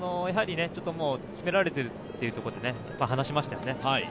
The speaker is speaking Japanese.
詰められているというところで、離しましたよね。